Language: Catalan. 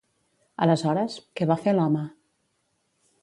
Aleshores, què va fer l'home?